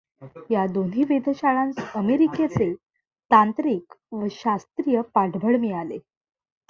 या दोन्ही वेधशाळांस अमेरिकेचे तांत्रिक व शास्त्रीय पाठबळ मिळाले.